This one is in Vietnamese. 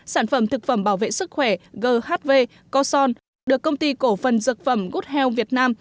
sản phẩm thực phẩm bảo vệ sức khỏe ghv coson được công ty cổ phần dược phẩm good health việt nam